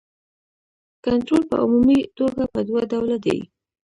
کنټرول په عمومي توګه په دوه ډوله دی.